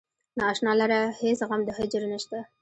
نا اشنا لره هیڅ غم د هجر نشته.